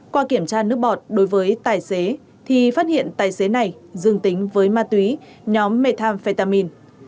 qua kiểm tra nước bọt đối với tài xế thì phát hiện tài xế này dương tính với ma túy nhóm methamphetamin